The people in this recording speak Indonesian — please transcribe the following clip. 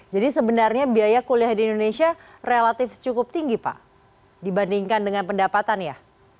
jadi sebenarnya biaya kuliah di indonesia relatif cukup tinggi pak dibandingkan dengan pendapatan ya